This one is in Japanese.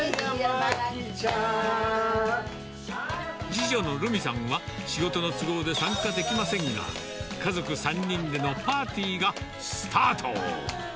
次女のるみさんは、仕事の都合で参加できませんが、家族３人でのパーティーがスタート。